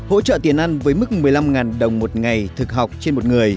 hỗ trợ tiền ăn với mức một mươi năm đồng một ngày thực học trên một người